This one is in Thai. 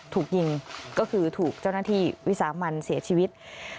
ถูกยิงก็คือถูกเจ้าหน้าที่วิสามันเสียชีวิต